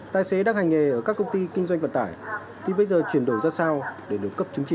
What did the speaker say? tài xế đang hành nghề ở các công ty kinh doanh vận tải thì bây giờ chuyển đổi ra sao để được cấp chứng chỉ